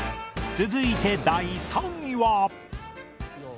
続いて第３位は